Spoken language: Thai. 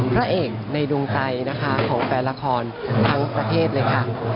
พระเอกในดวงใจนะคะของแฟนละครทั้งประเทศเลยค่ะ